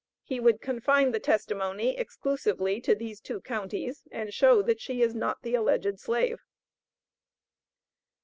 He would confine the testimony exclusively to these two counties, and show that she is not the alleged slave.